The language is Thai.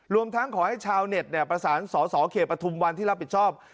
รวมทั้งขอให้ชาวเน็ตประสานสสเขตปฐุมวันที่รับผิดชอบ